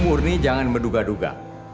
umurni jangan berduga duga